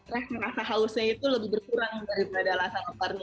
rehat rasa hausnya itu lebih berkurang daripada rasa laparnya